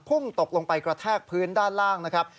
พุ่งตกลงไปกระแทกพื้นด้านล่างนะครับ